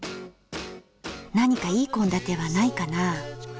何かいい献立はないかな？